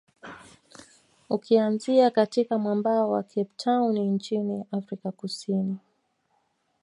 Ukianzia katika mwambao wa Cape Town nchini Afrika kusini